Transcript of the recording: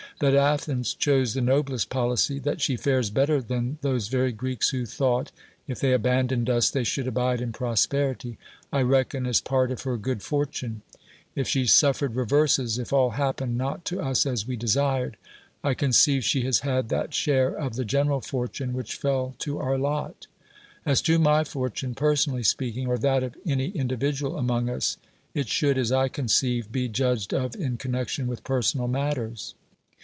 That Athens chose the noblest policy, that she fares better than those very Greeks who thought, if they aban doned us, they should abide in prosperity, I reckon as ])art of her good fortune ; if she suf fered reverses, if all happened not to us as we desired, I conceive she has had that share of the general fortune which fell to our lot. As to my fortune (personally speaking) or that of any in dividual among us, it should, as I conceive, be judged of in connection with personal matters.